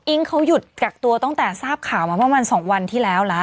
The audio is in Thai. เขาหยุดกักตัวตั้งแต่ทราบข่าวมาประมาณ๒วันที่แล้วแล้ว